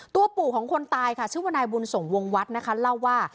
ปู่ของคนตายค่ะชื่อว่านายบุญส่งวงวัดนะคะเล่าว่า